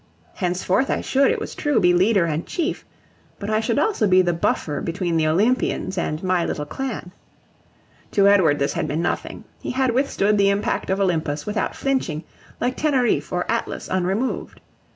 Henceforth I should, it was true, be leader and chief; but I should also be the buffer between the Olympians and my little clan. To Edward this had been nothing; he had withstood the impact of Olympus without flinching, like Teneriffe or Atlas unremoved.